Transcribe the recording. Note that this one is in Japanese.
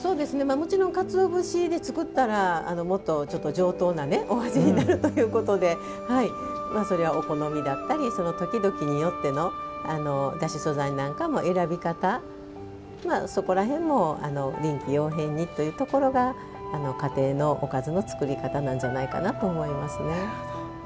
もちろんかつお節で作ったら、もっと上等なお味になるということでそれはお好みだったり時々によっての、だし素材の選び方、そこら辺も臨機応変にというところが家庭のおかずの作り方なんじゃないかなと思いますね。